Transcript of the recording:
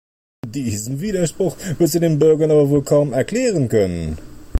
Diesen Widerspruch wird sie den Bürgern aber wohl kaum erklären können.